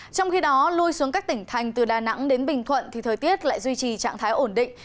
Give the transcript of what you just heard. trong khi đó lui xuống các tỉnh thành từ đà nẵng đến bình thuận thì thời tiết lại duy trì trạng thái ổn định